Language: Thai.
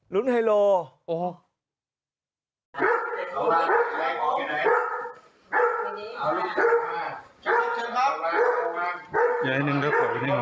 ลุ้นอะไรอ่ะลุ้นไฮโร